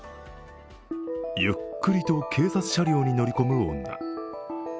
ゆっくりと警察車両に乗り込む女。